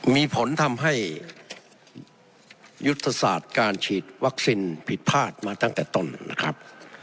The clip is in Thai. มีผลทำให้ยุทธศาสตร์การฉีดวัคซีนผิดพลาดมาตั้งแต่ต้นนะครับ